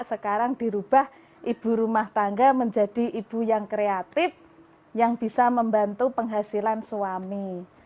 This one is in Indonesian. sekarang dirubah ibu rumah tangga menjadi ibu yang kreatif yang bisa membantu penghasilan suami